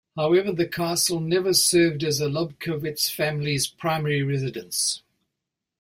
However, the castle never served as the Lobkowicz family’s primary residence.